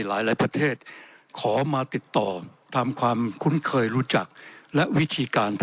หลายประเทศขอมาติดต่อทำความคุ้นเคยรู้จักและวิธีการ